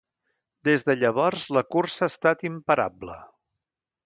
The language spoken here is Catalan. Des de llavors la cursa ha estat imparable.